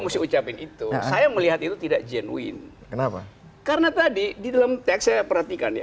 mesti ucapin itu saya melihat itu tidak jenuin kenapa karena tadi di dalam teks saya perhatikan ya